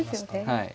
はい。